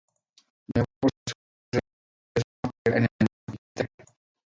De nuevo los asuntos de Nápoles provocaron otra guerra en el norte de Italia.